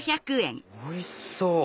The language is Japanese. おいしそう！